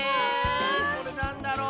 これなんだろう？